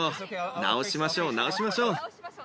直しましょう直しましょう。